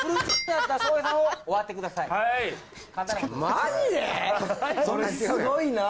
マジで⁉それすごいな！